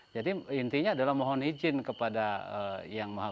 jadi intinya adalah mohon izin kepada mm ww